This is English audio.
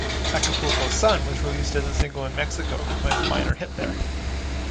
"Acapulco Sun" was released as a single in Mexico, becoming a minor hit there.